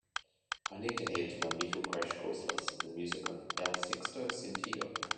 I need to add to my metal crash course list the music of El sexto sentido